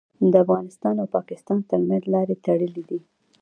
د افغانستان او پاکستان ترمنځ لارې تړلي دي.